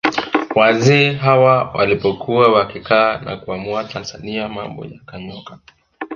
Wazee hawa walipokuwa wakikaa na kuamua Tanzania mambo yakanyooka